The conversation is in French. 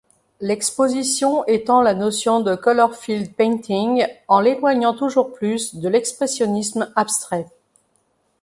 L'exposition étend la notion de Colorfield painting, en l'éloignant toujours plus de l'expressionnisme abstrait.